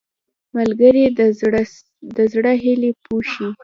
ملګری د زړه هیلې پوښي